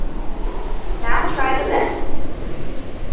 Now Try the Best!